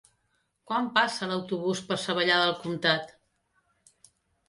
Quan passa l'autobús per Savallà del Comtat?